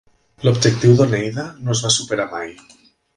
L'objectiu d'Oneida no es va superar mai.